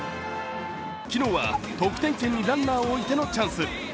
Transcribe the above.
昨日は、得点圏にランナーを置いてのチャンス。